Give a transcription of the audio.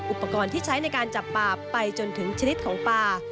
อุปกรณ์ที่ใช้ในการจับปลาไปจนถึงชนิดของปลา